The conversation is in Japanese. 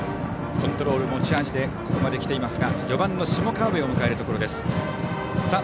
コントロールが持ち味でここまで来ていますが４番の下川邊を迎えるところです。